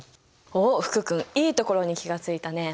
おっ福君いいところに気が付いたね。